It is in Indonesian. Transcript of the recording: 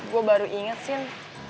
gue baru inget sih